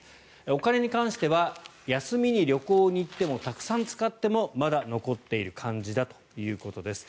お金に関しては休みに旅行に行ってもたくさん使ってもまだ残っている感じだということです。